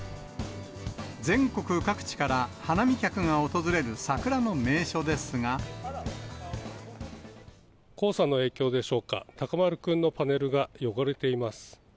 全国各地から花見客が訪れる黄砂の影響でしょうか、たか丸くんのパネルが汚れています。